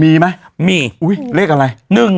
มีมั้ยมีอุ้ยเลขอะไร๑๕๙๕